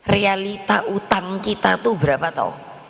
realita utang kita itu berapa tau